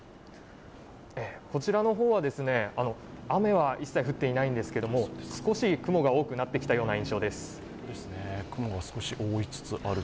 こちらの方は、雨は一切降っていないんですけれども、少し雲が多くなってきたような印象です。